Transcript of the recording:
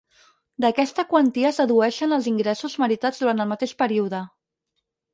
D'aquesta quantia es dedueixen els ingressos meritats durant el mateix període.